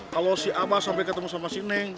kalau si abah sampai ketemu sama si neng